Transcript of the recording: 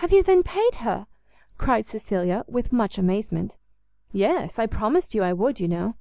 "Have you, then, paid her?" cried Cecilia, with much amazement. "Yes; I promised you I would, you know."